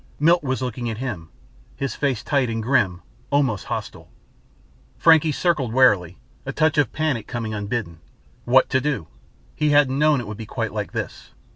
Milt was looking at him, his face tight and grim; almost hostile. Frankie circled warily, a touch of panic coming unbidden. What to do? He hadn't known it would be quite like this.